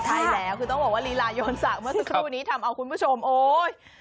ใครแล้วคือต้องบอกว่ารีลาโยนสั่งมาตัวเมื่อคือนี้ทำเอาคุณผู้ชมโอ๊ย